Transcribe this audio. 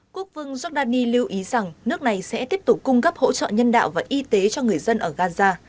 quốc vương giordani lưu ý rằng nước này sẽ tiếp tục cung cấp hỗ trợ nhân đạo và y tế cho người dân ở gaza